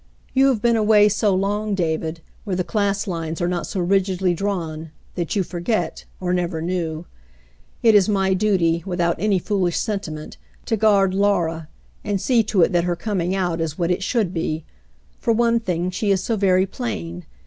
You have been away so long, David, where the class lines are not so rigidly drawn, that you forget — or never knew. It is my duty, without any foolish sentiment, to guard Laura and see to it that her coming out is what it should be. For one thing, she is so very plain.